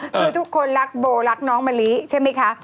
คือทุกคนรักโบรักน้องมะลิใช่ไหมคะ